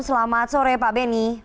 selamat sore pak benny